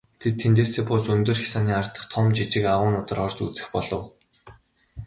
Тэд тэндээсээ бууж өндөр хясааны ар дахь том жижиг агуйнуудаар орж үзэх болов.